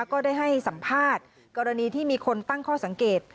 ก็ได้ให้สัมภาษณ์กรณีที่มีคนตั้งข้อสังเกต